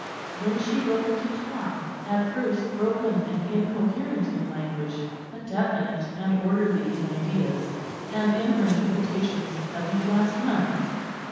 Then she broke into talk, at first broken and incoherent in language, but definite and orderly in ideas, and in her interpretations of these last months.